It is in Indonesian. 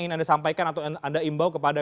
ingin anda sampaikan atau anda imbau kepada